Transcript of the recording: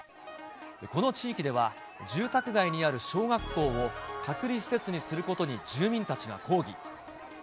この地域では、住宅街にある小学校を隔離施設にすることに住民たちが抗議。